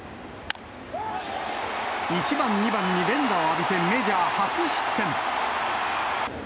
１番、２番に連打を浴びてメジャー初失点。